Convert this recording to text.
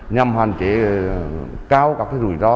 nhằm hoàn trị cao các rủi ro